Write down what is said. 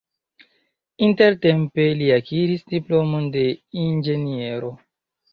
Intertempe li akiris diplomon de inĝeniero.